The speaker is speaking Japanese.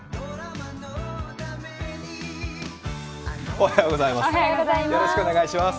おはようございます。